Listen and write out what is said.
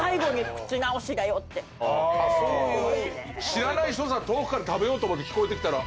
知らない人さ遠くから食べようと思って聞こえてきたら。